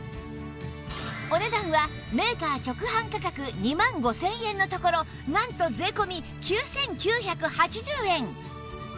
お値段はメーカー直販価格２万５０００円のところなんと税込９９８０円